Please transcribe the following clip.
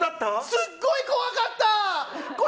すっごい怖かった！